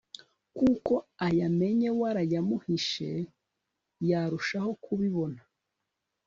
kuko ayamenye warayamuhishe yarushaho kubibona